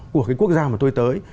của cái quốc gia mà tôi tới